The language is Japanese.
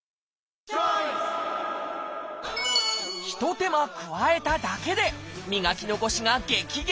ひと手間加えただけで磨き残しが激減。